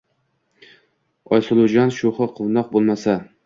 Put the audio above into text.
Oysuluvjon sho’xu quvnoq bo’lmasa!